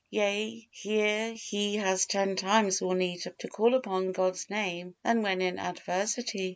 Yea, here he has ten times more need to call upon God's Name than when in adversity.